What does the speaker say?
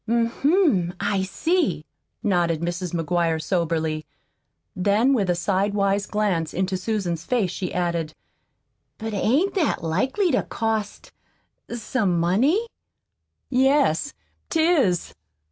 "Hm m, I see," nodded Mrs. McGuire soberly. Then, with a sidewise glance into Susan's face, she added: "But ain't that likely to cost some money?" "Yes, 't is."